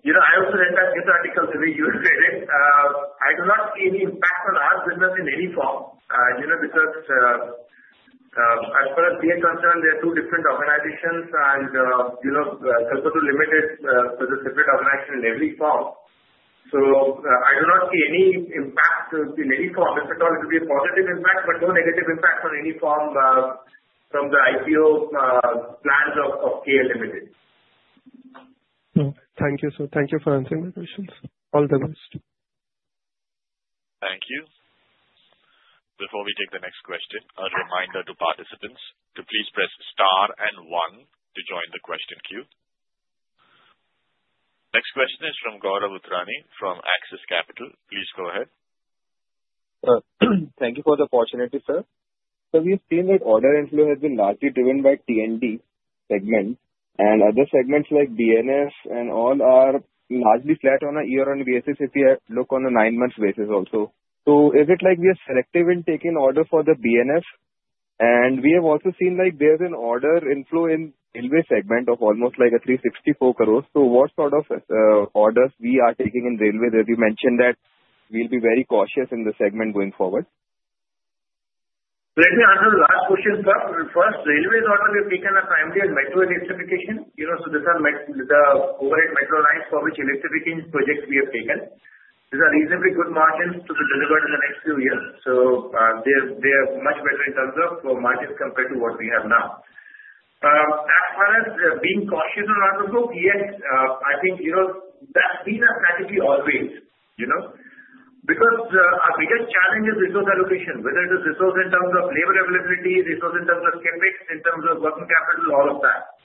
I also read that news article the way you read it. I do not see any impact on our business in any form because as far as we are concerned, there are two different organizations, and Kalpataru Limited is a separate organization in every form. So I do not see any impact in any form. If at all, it would be a positive impact, but no negative impact on any form from the IPO plans of KL Limited. Thank you, sir. Thank you for answering my questions. All the best. Thank you. Before we take the next question, a reminder to participants to please press star and one to join the question queue. Next question is from Gaurav Uttrani from Axis Capital. Please go ahead. Thank you for the opportunity, sir. So we have seen that order inflow has been largely driven by T&D segment, and other segments like B&F and all are largely flat on a year-on-year basis if you look on a nine-month basis also. So is it like we are selective in taking order for the B&F? And we have also seen there's an order inflow in railway segment of almost at least 64 crore. So what sort of orders we are taking in railways? As you mentioned that we'll be very cautious in the segment going forward. Let me answer the last question, sir. First, railways orders we have taken are primarily on metro electrification. So these are overhead metro lines for which electrification projects we have taken. These are reasonably good margins to be delivered in the next few years. So they are much better in terms of margins compared to what we have now. As far as being cautious on order books, yes, I think that's been our strategy always because our biggest challenge is resource allocation, whether it is resource in terms of labor availability, resource in terms of CapEx, in terms of working capital, all of that.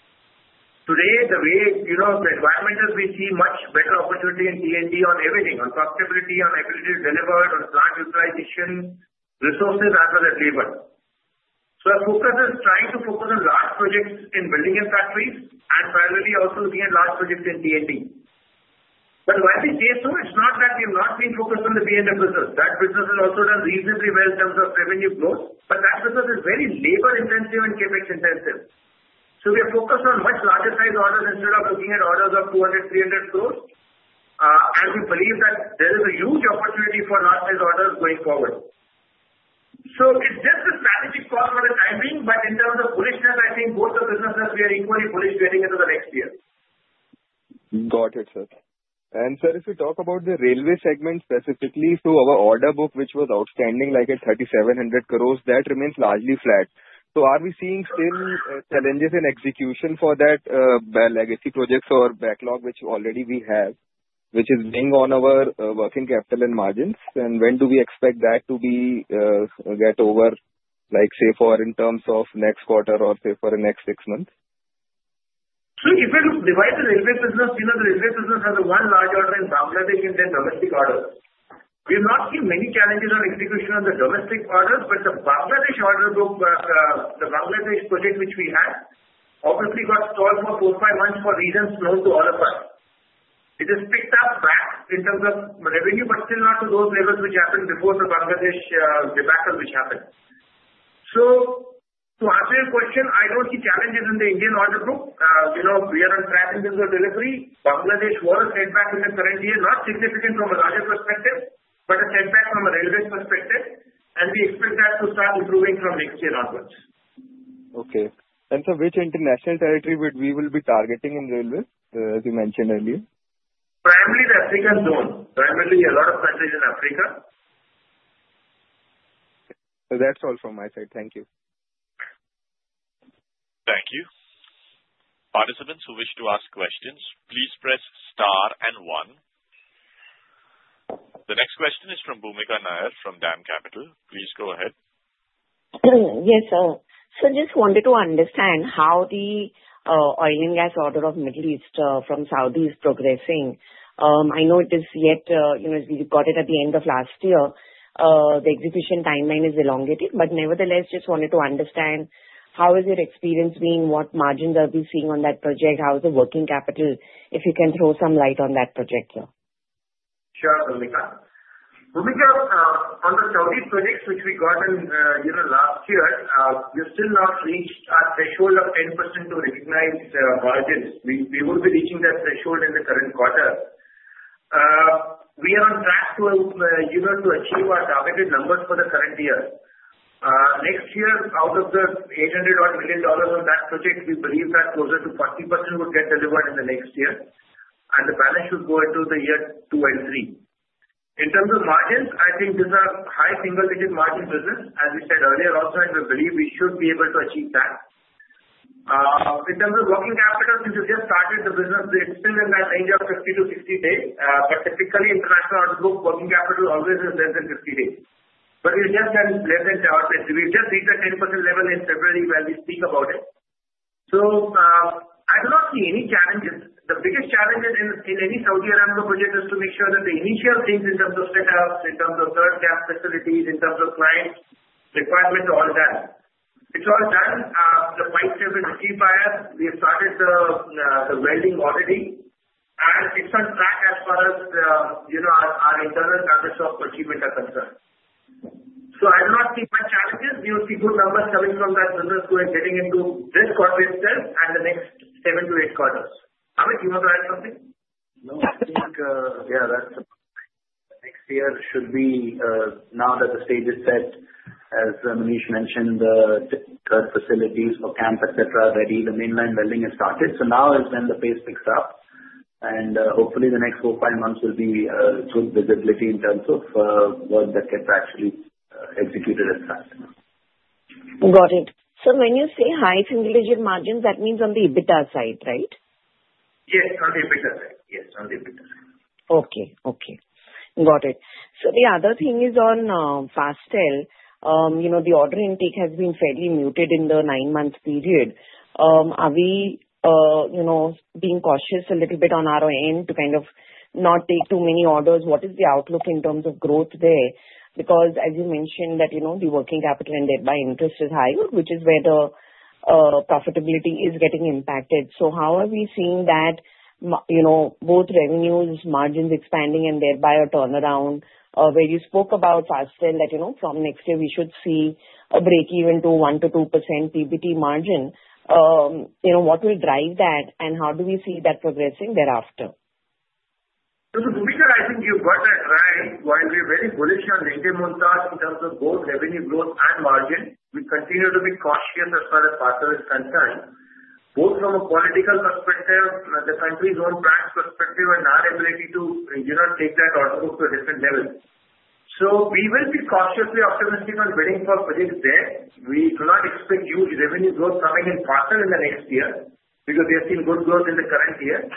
Today, the way the environment is, we see much better opportunity in T&D on everything, on profitability, on ability to deliver, on plant utilization, resources as well as labor. Our focus is trying to focus on large projects in Buildings and Factories and primarily also looking at large projects in T&D. But while we say so, it's not that we have not been focused on the B&F business. That business has also done reasonably well in terms of revenue growth, but that business is very labor-intensive and CapEx-intensive. So we are focused on much larger-sized orders instead of looking at orders of 200, 300 crore, and we believe that there is a huge opportunity for large-sized orders going forward. So it's just a strategic call for the time being, but in terms of bullishness, I think both the businesses, we are equally bullish getting into the next year. Got it, sir. And sir, if we talk about the railway segment specifically, so our order book, which was outstanding like at 3,700 crore, that remains largely flat. So are we seeing still challenges in execution for that legacy projects or backlog which already we have, which is being on our working capital and margins? And when do we expect that to get over, say, in terms of next quarter or say for the next six months? If I look at the railway business, the railway business has one large order in Bangladesh and then domestic orders. We have not seen many challenges on execution on the domestic orders, but the Bangladesh order book, the Bangladesh project which we had, obviously got stalled for four, five months for reasons known to all of us. It has picked up back in terms of revenue, but still not to those levels which happened before the Bangladesh debacle which happened. To answer your question, I don't see challenges in the Indian order book. We are on track in terms of delivery. Bangladesh was a setback in the current year, not significant from a larger perspective, but a setback from a railway perspective, and we expect that to start improving from next year onwards. Okay. And sir, which international territory would we be targeting in railways, as you mentioned earlier? Primarily the African zone. Primarily a lot of countries in Africa. That's all from my side. Thank you. Thank you. Participants who wish to ask questions, please press star and one. The next question is from Bhoomika Nair from DAM Capital. Please go ahead. Yes, sir, so I just wanted to understand how the oil and gas order in the Middle East from Aramco is progressing. I know it is, yet we got it at the end of last year. The execution timeline is elongated, but nevertheless, just wanted to understand how has your experience been? What margins are we seeing on that project? How is the working capital? If you can throw some light on that project, sir. Sure, Bhoomika. Bhoomika, on the Saudi projects which we got last year, we have still not reached our threshold of 10% to recognize margins. We would be reaching that threshold in the current quarter. We are on track to achieve our targeted numbers for the current year. Next year, out of the $800 million on that project, we believe that closer to 40% would get delivered in the next year, and the balance should go into the year two and three. In terms of margins, I think these are high single-digit margin business, as we said earlier also, and we believe we should be able to achieve that. In terms of working capital, since we just started the business, it's still in that range of 50-60 days, but typically, international order book working capital always is less than 50 days. But we've just done less than 10%. We've just reached the 10% level in February when we speak about it. So I do not see any challenges. The biggest challenge in any Saudi Aramco project is to make sure that the initial things in terms of setups, in terms of third-party facilities, in terms of client requirements, are all done. It's all done. The pipes have been received by us. We have started the welding already, and it's on track as far as our internal targets of achievement are concerned. So I do not see much challenges. We will see good numbers coming from that business getting into this quarter itself and the next seven-to-eight quarters. Amit, do you want to add something? No, I think, yeah, that's next year should be, now that the stage is set, as Manish mentioned, the current facilities for camp, etc., ready. The mainline welding has started. So now is when the pace picks up, and hopefully, the next four, five months will be good visibility in terms of what the cap actually executed at that. Got it. So when you say high single-digit margins, that means on the EBITDA side, right? Yes, on the EBITDA side. Okay. Okay. Got it. So the other thing is on Fasttel. The order intake has been fairly muted in the nine-month period. Are we being cautious a little bit on our end to kind of not take too many orders? What is the outlook in terms of growth there? Because, as you mentioned, the working capital and thereby interest is higher, which is where the profitability is getting impacted. So how are we seeing that both revenues, margins expanding, and thereby a turnaround? Where you spoke about Fasttel, that from next year, we should see a break-even to 1-2% PBT margin. What will drive that, and how do we see that progressing thereafter? Bhoomika, I think you've got that right. While we're very bullish on Linjemontage in terms of both revenue growth and margin, we continue to be cautious as far as Fasttel is concerned, both from a political perspective and the country's own economic perspective and our ability to take that order book to a different level. We will be cautiously optimistic on bidding for projects there. We do not expect huge revenue growth coming in Fasttel in the next year because we have seen good growth in the current year.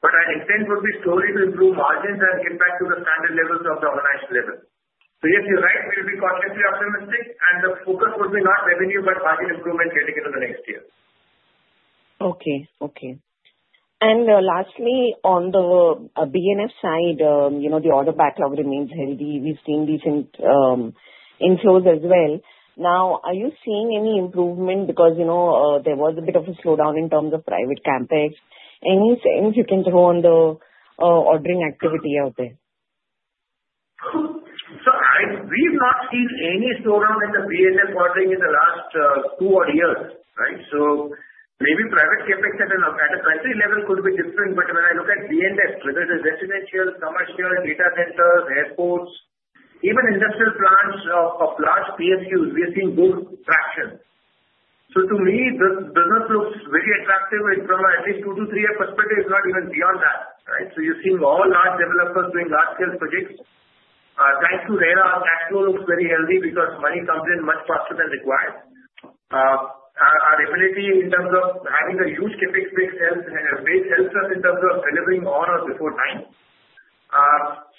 But our intent would be slowly to improve margins and get back to the standard levels of the historical level. Yes, you're right. We will be cautiously optimistic, and the focus would be not revenue, but margin improvement getting into the next year. Okay. Okay. And lastly, on the B&F side, the order backlog remains heavy. We've seen these inflows as well. Now, are you seeing any improvement because there was a bit of a slowdown in terms of private capex? Anything you can throw on the ordering activity out there? So we've not seen any slowdown in the B&F ordering in the last two or three years, right? So maybe private CapEx at a country level could be different, but when I look at B&F, whether it is residential, commercial, data centers, airports, even industrial plants of large PSUs, we have seen good traction. So to me, the business looks very attractive from at least two- to three-year perspective, not even beyond that, right? So you're seeing all large developers doing large-scale projects. Thanks to their, our cash flow looks very healthy because money comes in much faster than required. Our ability in terms of having a huge CapEx base helps us in terms of delivering orders before time.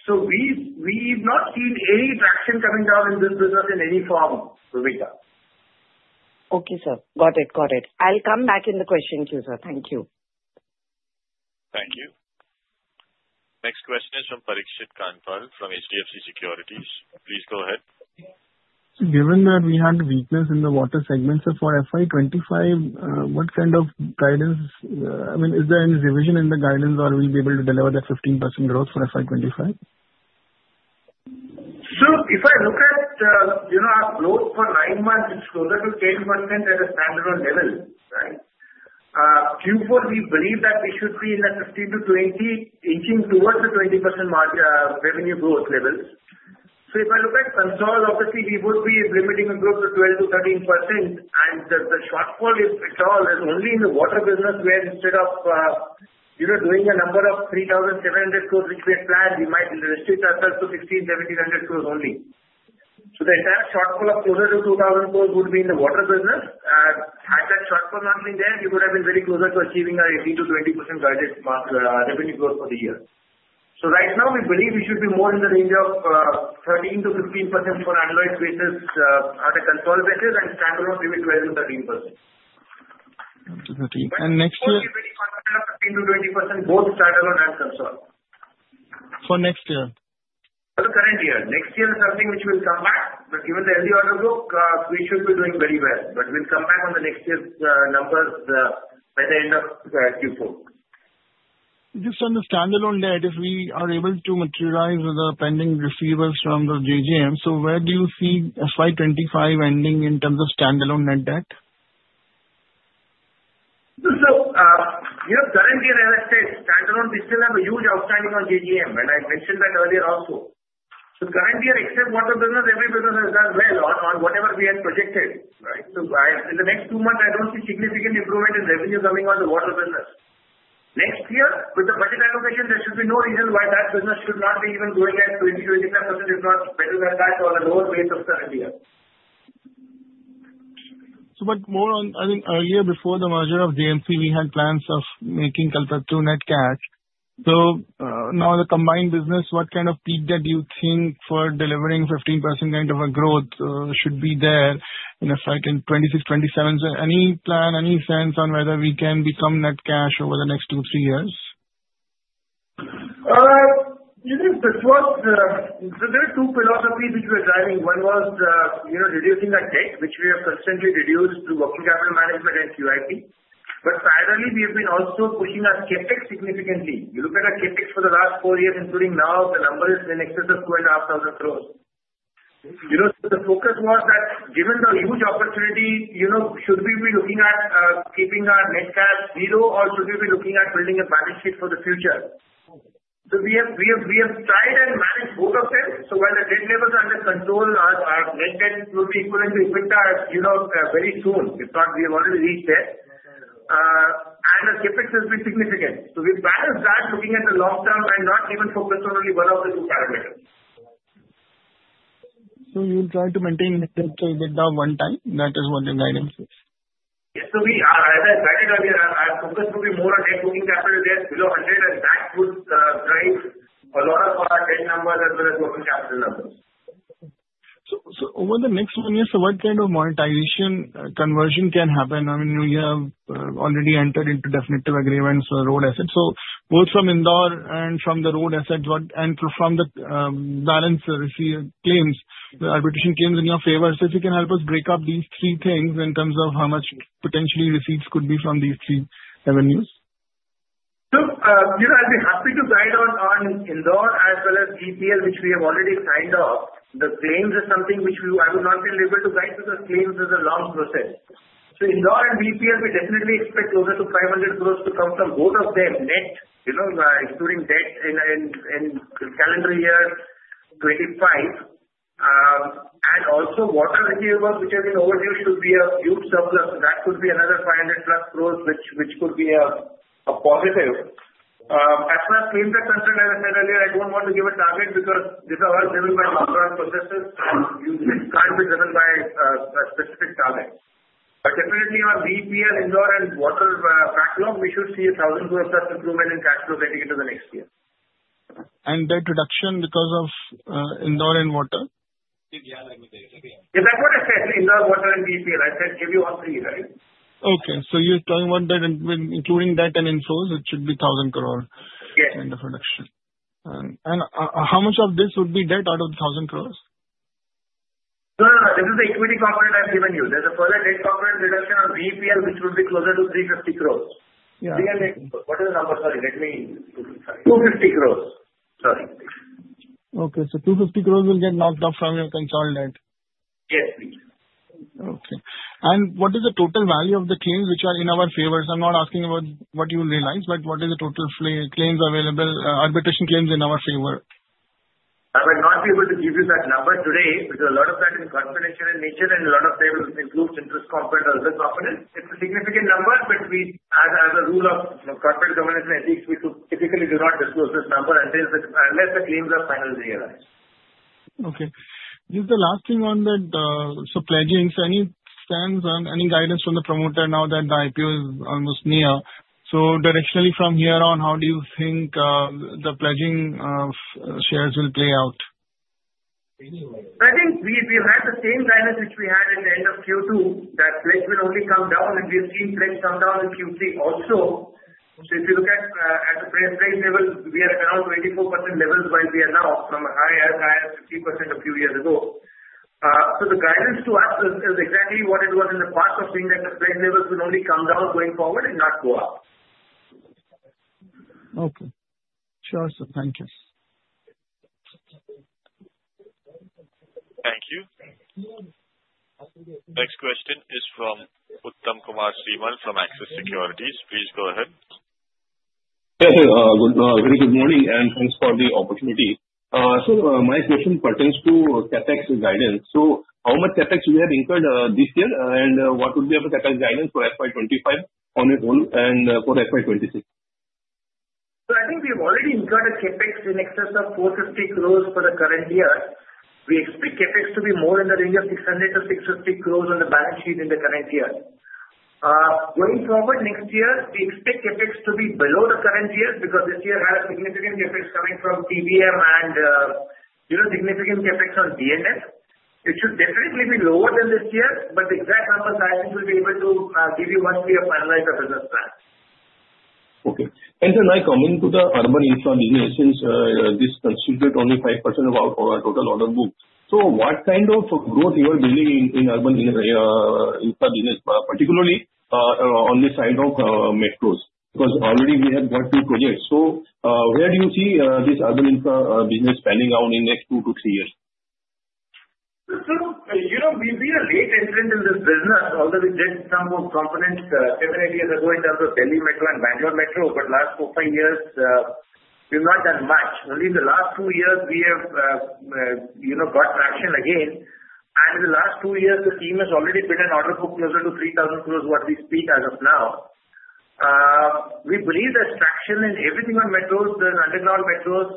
So we've not seen any traction coming down in this business in any form, Bhoomika. Okay, sir. Got it. Got it. I'll come back in the question queue, sir. Thank you. Thank you. Next question is from Parikshit Kandpal from HDFC Securities. Please go ahead. Given that we had weakness in the water segments for FY25, what kind of guidance? I mean, is there any revision in the guidance, or will we be able to deliver that 15% growth for FY25? So if I look at our growth for nine months, it's closer to 10% at a standalone level, right? Q4, we believe that we should be in the 15%-20%, inching towards the 20% revenue growth levels. So if I look at consolidated, obviously, we would be limiting the growth to 12%-13%, and the shortfall, if at all, is only in the water business, where instead of doing a number of 3,700 crore which we had planned, we might restrict ourselves to 1,600-1,700 crore only. So the entire shortfall of closer to 2,000 crore would be in the water business. Had that shortfall not been there, we would have been very closer to achieving our 18%-20% revenue growth for the year. Right now, we believe we should be more in the range of 13%-15% for annualized basis on a consolidated basis and standalone maybe 12%-13%. Absolutely. And next year? We'll be very cautious of 15%-20%, both standalone and consolidated. For next year? For the current year. Next year is something which will come back, but given the healthy order book, we should be doing very well. But we'll come back on the next year's numbers by the end of Q4. Just on the standalone debt, if we are able to materialize the pending receivables from the JJM, so where do you see FY25 ending in terms of standalone net debt? So current year, as I said, standalone, we still have a huge outstanding on JJM, and I mentioned that earlier also. So current year, except water business, every business has done well on whatever we had projected, right? So in the next two months, I don't see significant improvement in revenue coming on the water business. Next year, with the budget allocation, there should be no reason why that business should not be even going at 20%-25%, if not better than that on a lower base of current year. I think earlier before the merger of JMC, we had plans of making Kalpataru net cash. So now the combined business, what kind of peak debt do you think for delivering 15% kind of a growth should be there in FY26, FY27? So any plan, any sense on whether we can become net cash over the next two, three years? You know, there were two philosophies which we were driving. One was reducing that debt, which we have consistently reduced through working capital management and QIP. But finally, we have been also pushing our CapEx significantly. You look at our CapEx for the last four years, including now, the number is in excess of 2,500 crore. So the focus was that, given the huge opportunity, should we be looking at keeping our net CapEx zero, or should we be looking at building a balance sheet for the future? So we have tried and managed both of them. So while the debt levels are under control, our net debt will be equivalent to EBITDA very soon, if not, we have already reached there. And the CapEx has been significant. So we balanced that, looking at the long term, and not even focused on only one of the two parameters. So you'll try to maintain net debt one time? That is what the guidance is? Yes. So as I said earlier, our focus will be more on net booking capital debt below 100, and that would drive a lot of our debt numbers as well as working capital numbers. Over the next one year, what kind of monetization conversion can happen? I mean, we have already entered into definitive agreements for road assets. Both from Indore and from the road assets and from the balance claims, the arbitration claims in your favor. If you can help us break up these three things in terms of how much potentially receipts could be from these three revenues. So I'd be happy to guide on Indore as well as Bhopal, which we have already signed off. The claims is something which I would not be able to guide because claims is a long process. So Indore and Bhopal, we definitely expect closer to 500 crore to come from both of them, net including debt in calendar year 2025. And also, water receivables, which have been overdue, should be a huge surplus. So that could be another 500-plus crore, which could be a positive. As far as claims are concerned, as I said earlier, I don't want to give a target because these are all driven by long-run processes and can't be driven by a specific target. But definitely, on Bhopal, Indore, and water backlog, we should see 1,000 crore plus improvement in cash flow getting into the next year. Debt reduction because of Indore and water? Yeah, like we said. Yeah, that's what I said. Indore, water, and BPL. I said give you all three, right? Okay. So you're talking about debt including debt and inflows. It should be 1,000 crore in the reduction. And how much of this would be debt out of the 1,000 crore? This is the equity component I've given you. There's a further debt component reduction on VEPL, which will be closer to 350 crore. What is the number? Sorry. Let me look. 250 crore. Sorry. Okay. So 250 crore will get knocked off from your consolidated debt? Yes, please. Okay. And what is the total value of the claims which are in our favor? So I'm not asking about what you realize, but what is the total claims available, arbitration claims in our favor? I will not be able to give you that number today because a lot of that is confidential in nature, and a lot of them include interest component or other components. It's a significant number, but as a rule of corporate governance and ethics, we typically do not disclose this number unless the claims are finally realized. Okay. Just the last thing on that, so pledging. So any stance on any guidance from the promoter now that the IPO is almost near? So directionally from here on, how do you think the pledging shares will play out? I think we'll have the same guidance which we had in the end of Q2, that pledge will only come down, and we've seen pledge come down in Q3 also. So if you look at the pledge level, we are at around 24% levels while we are now, from as high as 15% a few years ago. So the guidance to us is exactly what it was in the past of seeing that the pledge levels will only come down going forward and not go up. Okay. Sure. So thank you. Thank you. Next question is from Uttam Kumar Srimal from Axis Securities. Please go ahead. Good morning, and thanks for the opportunity. So my question pertains to CapEx guidance. So how much CapEx we have incurred this year, and what would be our CapEx guidance for FY25 on its own and for FY26? So I think we have already incurred a CapEx in excess of 450 crore for the current year. We expect CapEx to be more in the range of 600-650 crore on the balance sheet in the current year. Going forward next year, we expect CapEx to be below the current year because this year had a significant CapEx coming from TBM and significant CapEx on B&F. It should definitely be lower than this year, but the exact numbers I think we'll be able to give you once we have finalized our business plan. Okay. And then I come into the urban infra business since this constitutes only 5% of our total order book. So what kind of growth you are building in urban infra business, particularly on the side of metros? Because already we have got two projects. So where do you see this urban infra business panning out in the next two to three years? We are late entrant in this business, although we did some components seven or eight years ago in terms of Delhi Metro and Bangalore Metro, but last four, five years, we've not done much. Only in the last two years, we have got traction again. And in the last two years, the team has already built an order book closer to 3,000 crore, what we speak as of now. We believe there's traction in everything on metros, the underground metros,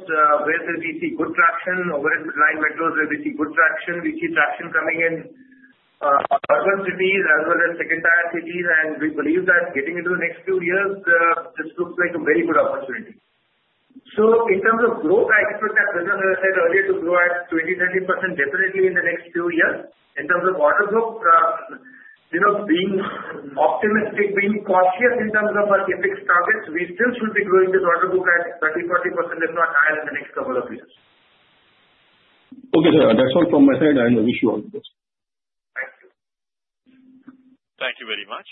where we see good traction, overhead line metros where we see good traction. We see traction coming in urban cities as well as second-tier cities, and we believe that getting into the next few years, this looks like a very good opportunity. In terms of growth, I expect that business, as I said earlier, to grow at 20%-30% definitely in the next few years. In terms of order book, being optimistic, being cautious in terms of our CapEx targets, we still should be growing this order book at 30%-40%, if not higher, in the next couple of years. Okay. That's all from my side. I'm very sure of this. Thank you. Thank you very much.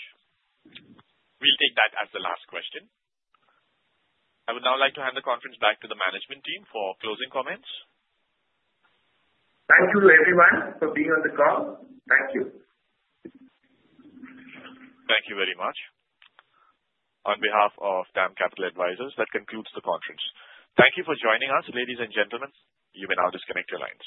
We'll take that as the last question. I would now like to hand the conference back to the management team for closing comments. Thank you to everyone for being on the call. Thank you. Thank you very much. On behalf of DAM Capital Advisors, that concludes the conference. Thank you for joining us, ladies and gentlemen. You may now disconnect your lines.